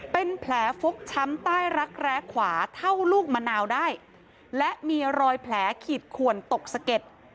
เป็นแผลฟกช้ำใต้รักแร้ขวาเท่าลูกมะนาวได้และมีรอยแผลขีดขวนตกสะเก็ด